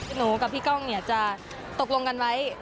หนูกับพี่ก้องเนี่ยจะตกลงกันไว้